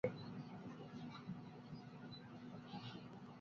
Riccardo Nascimento